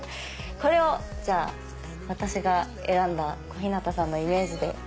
これを私が選んだ小日向さんのイメージで。